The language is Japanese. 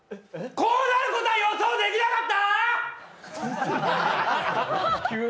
こうなることは予想できなかった！？